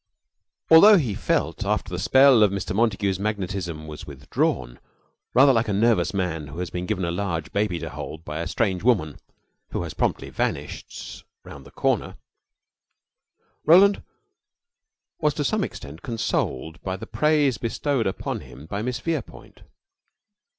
Altho he felt, after the spell of Mr. Montague's magnetism was withdrawn, rather like a nervous man who has been given a large baby to hold by a strange woman who has promptly vanished round the corner, Roland was to some extent consoled by the praise bestowed upon him by Miss Verepoint.